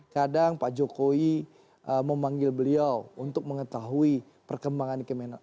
kadang pak jokowi memanggil beliau untuk mengetahui perkembangan kemenangan